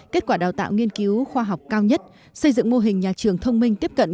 kết quả đào tạo nghiên cứu khoa học cao nhất xây dựng mô hình nhà trường thông minh tiếp cận